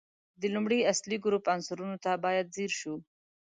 د لومړي اصلي ګروپ عنصرونو ته باید ځیر شو.